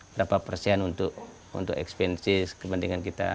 berapa persen untuk expenses kepentingan kita